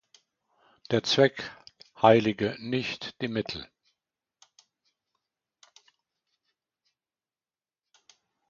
Der Zweck heilige nicht die Mittel.